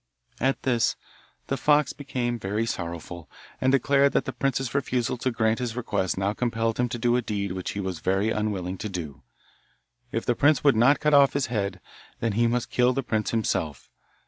At this the fox became very sorrowful, and declared that the prince's refusal to grant his request now compelled him to do a deed which he was very unwilling to do if the prince would not cut off his head, then he must kill the prince himself.